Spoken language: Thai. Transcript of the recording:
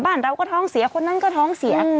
บ้านเราก็ท้องเสียคนนั้นก็ท้องเสีย